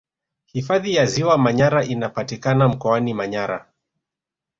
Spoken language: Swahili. hifadhi ya ziwa manyara inapatikana mkoani manyara